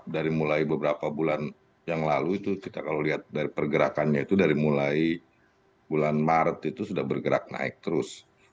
dari mulai beberapa bulan yang lalu itu kita kalau lihat dari pergerakannya itu dari mulai bulan maret itu sudah bergerak naik terus